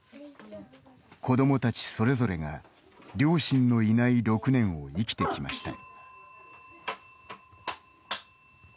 子どもたちそれぞれが両親のいない６年を生きてきました。